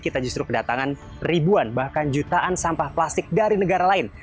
kita justru kedatangan ribuan bahkan jutaan sampah plastik dari negara lain